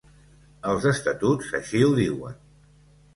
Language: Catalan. Els estatuts així ho diuen.